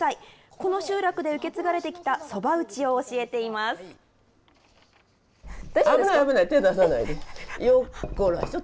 この集落で受け継がれてきた、そば打ちを教えています。